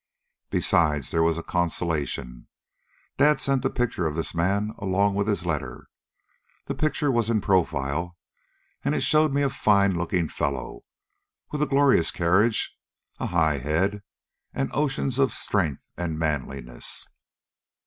"Besides, there was a consolation. Dad sent the picture of his man along with his letter. The picture was in profile, and it showed me a fine looking fellow, with a glorious carriage, a high head, and oceans of strength and manliness.